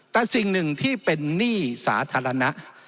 แต่สิ่งหนึ่งที่เป็นหนี้สาธารณะ